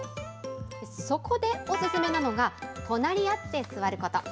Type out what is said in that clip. そこで、お勧めなのが、隣り合って座ること。